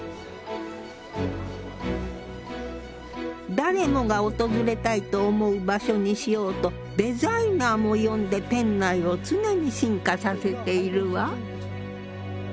誰もが訪れたいと思う場所にしようとデザイナーも呼んで店内を常に進化させているわ。